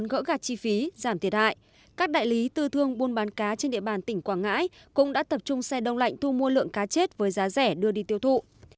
các đại lý tư thương buôn bán cá trên địa bàn tỉnh quảng ngãi cũng đã tập trung xe đông lạnh thu mua lượng cá chết với giá rẻ đưa đi tiêu thụ